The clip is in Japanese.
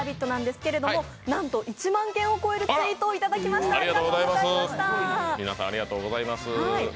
なんですけども、なんと、１万件を超えるツイートをいただきました。